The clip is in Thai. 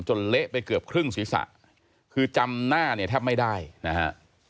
เละไปเกือบครึ่งศีรษะคือจำหน้าเนี่ยแทบไม่ได้นะฮะ